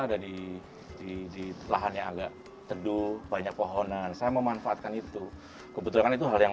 ada di di lahan yang agak teduh banyak pohonan saya memanfaatkan itu kebetulan itu hal yang